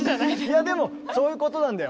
いやでもそういうことなんだよ。